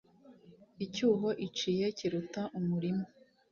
Icyuho iciye kiruta umurima,